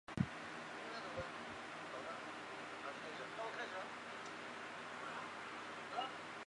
大厦更是全港首幢每层均设置绿化平台及空中花园的商业大厦。